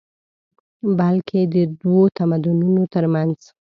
بلکې دوو تمدنونو تر منځ